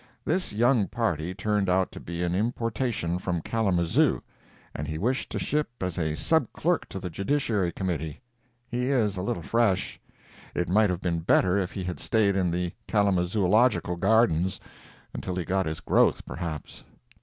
This young party turned out to be an importation from Kalamazoo, and he wished to ship as a sub clerk to the Judiciary Committee. He is a little fresh. It might have been better if he had stayed in the Kalamazoological Gardens until he got his growth, perhaps.